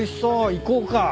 行こうか。